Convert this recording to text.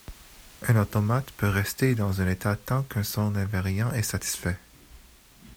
Un automate peut rester dans un état tant que son invariant est satisfait.